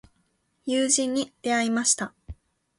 友人に出会いました。